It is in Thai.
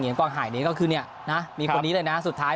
เหนียนกว่าหายเนี่ยก็คือเนี่ยน่ะมีคนนี้เลยน่ะสุดท้าย